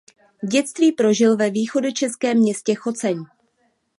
Dětství prožil ve východočeském městě Choceň.